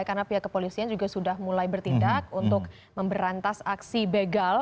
karena pihak kepolisian juga sudah mulai bertindak untuk memberantas aksi begal